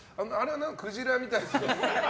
クジラみたいって。